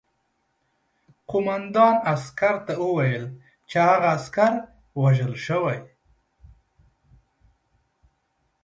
قوماندان عسکر ته وویل چې هغه عسکر وژل شوی